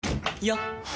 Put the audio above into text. よっ！